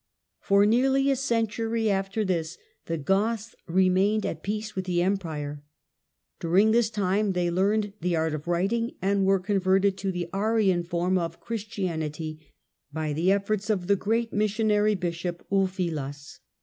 For nearly a century after this the Goths remained at peace with the Empire. During this time they learned the art of writing, and were converted to the Arian form of Christianity by the efforts of the great missionary THE EMPIRE IN 476 11 bishop Ulfilas.